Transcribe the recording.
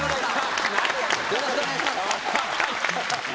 よろしくお願いします浜田さん。